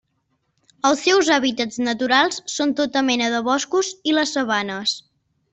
Els seus hàbitats naturals són tota mena de boscos i les sabanes.